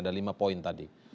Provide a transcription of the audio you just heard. ada lima poin tadi